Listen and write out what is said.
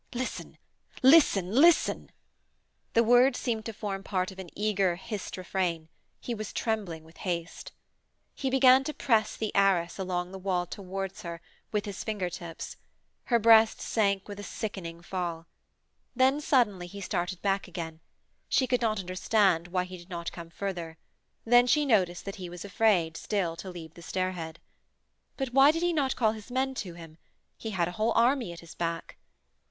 'Listen! listen! listen!' The words seemed to form part of an eager, hissed refrain. He was trembling with haste. He began to press the arras, along the wall towards her, with his finger tips. Her breast sank with a sickening fall. Then, suddenly, he started back again; she could not understand why he did not come further then she noticed that he was afraid, still, to leave the stairhead. But why did he not call his men to him? He had a whole army at his back.